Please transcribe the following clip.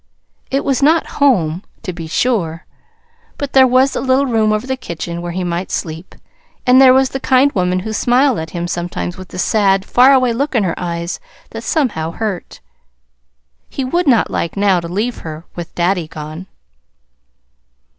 It was not home, to be sure; but there was the little room over the kitchen where he might sleep, and there was the kind woman who smiled at him sometimes with the sad, far away look in her eyes that somehow hurt. He would not like, now, to leave her with daddy gone.